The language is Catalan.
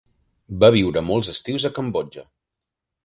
Va viure molts estius a Cambodja.